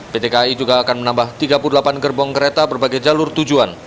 pt kai juga akan menambah tiga puluh delapan gerbong kereta berbagai jalur tujuan